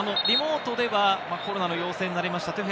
リモートではコロナの陽性になりました